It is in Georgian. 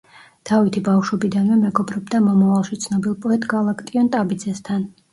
დავითი ბავშვობიდანვე მეგობრობდა მომავალში ცნობილ პოეტ გალაკტიონ ტაბიძესთან.